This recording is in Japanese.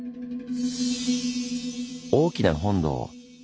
大きな本堂。